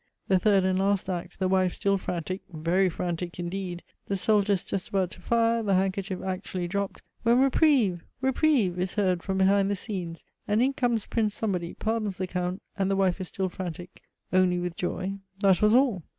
The third and last act, the wife still frantic, very frantic indeed! the soldiers just about to fire, the handkerchief actually dropped; when reprieve! reprieve! is heard from behind the scenes: and in comes Prince Somebody, pardons the Count, and the wife is still frantic, only with joy; that was all!